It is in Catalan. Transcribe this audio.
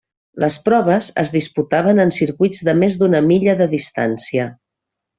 Les proves es disputaven en circuits de més d'una milla de distància.